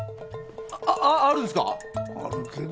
あっあっあるんですか？